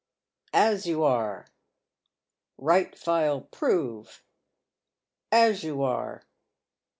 " As you are !"" Bight file, prove !"" As you are